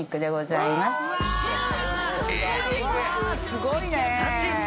すごいねぇ。